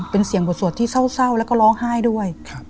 เป็นเสียงบทสวดที่เศร้าแล้วก็ร้องไห้ด้วย